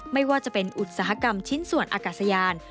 ไม่ว่าจะเป็นอุตสาหกรรมชิ้นส่วนอากาศยาน